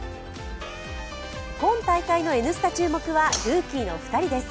今大会の「Ｎスタ」注目はルーキーの２人です。